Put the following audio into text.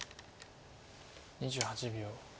２８秒。